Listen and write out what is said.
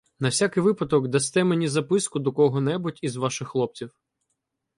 На всякий випадок дасте мені записку до кого-небудь із ваших хлопців.